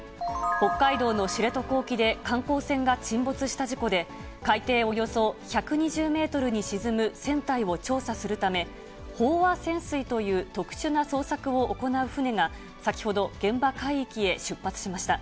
北海道の知床沖で観光船が沈没した事故で、海底およそ１２０メートルに沈む船体を調査するため、飽和潜水という特殊な捜索を行う船が、先ほど、現場海域へ出発しました。